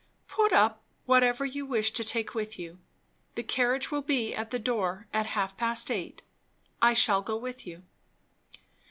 "Put up whatever you wish to take with you. The carriage will be at the door at half past eight. I shall go with you."